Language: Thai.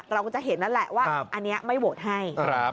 เราก็จะเห็นว่าไม่โหวตให้